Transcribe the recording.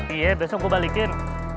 iya besok gue balikin